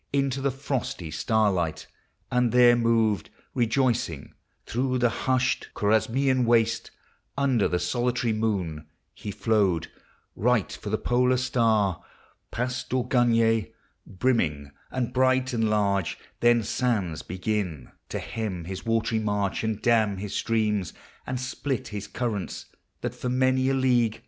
Into the frosty starlight, and there moved, Rejoicing, through the hushed < 'horasinia n WMrte, Under the solitary moon; he flowed Right for the polar star, past Oiguiij Primming, and bright, and large; then amis begin To hem his watery march, and dam hii streams, And split his currents; thai for manj a league 208 POEMS OF NATURE.